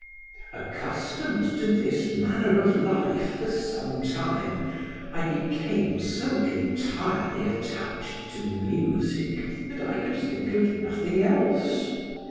Accustomed to this manner of life for some time, I became so entirely attached to music that I could think of nothing else.